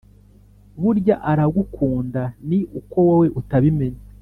burya aragukunda ni uko wowe utabimenya